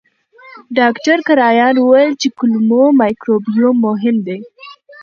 ډاکټر کرایان وویل چې کولمو مایکروبیوم مهم دی.